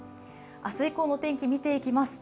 明日以降の天気見ていきます。